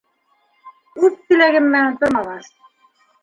Үҙ теләгем менән тормағас